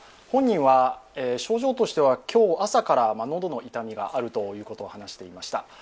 本人は症状としては今日朝から喉の痛みがあると話していました。